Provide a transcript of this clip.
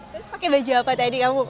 terus pakai baju apa tadi kamu